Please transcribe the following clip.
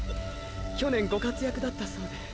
去年ご活躍だったそうで。